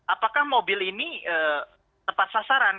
apakah mobil ini tepat sasaran